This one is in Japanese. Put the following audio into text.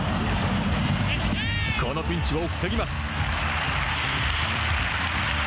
このピンチを防ぎます。